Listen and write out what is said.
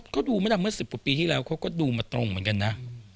ก็ดีเมื่อสิบปีที่แล้วเขาก็ดูมาตรงเหมือนกันน่ะ